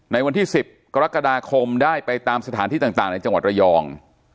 ในวันที่๑๐กรกฎาคมได้ไปตามสถานที่ต่างในจังหวัดระยอง